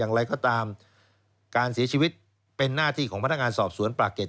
อย่างไรก็ตามการเสียชีวิตเป็นหน้าที่ของพนักงานสอบสวนปากเกร็